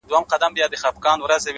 • له زړې بوډۍ لکړي مي شرمېږم,